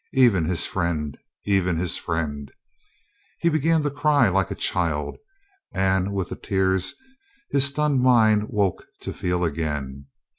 Even his friend ... even his friend ... He began to cry like a child and with the tears his stunned mind woke to feel again.